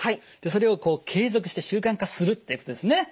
それを継続して習慣化するっていうことですね。